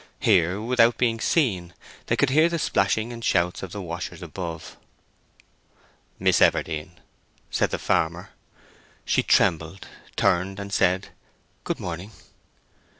Here, without being seen, they could hear the splashing and shouts of the washers above. "Miss Everdene!" said the farmer. She trembled, turned, and said "Good morning."